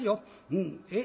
うんえっ？